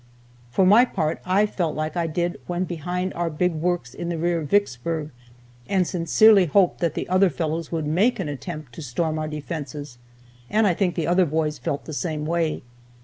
For my part, I felt like I did when behind our big works in the rear of Vicksburg, and sincerely hoped that the other fellows would make an attempt to storm our defenses, and I think the other boys felt the same way.